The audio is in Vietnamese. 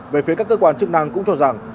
về phía các cơ quan chức năng cũng cho rằng